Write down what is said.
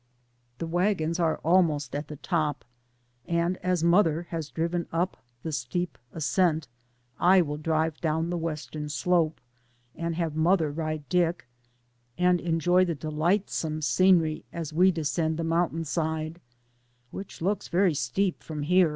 The wagons are almost at the top, and as mother has driven up the steep ascent, I will drive down the western slope, and have mother ride Dick, and enjoy the delight some scenery as we descend the mountain side, which looks very steep from here.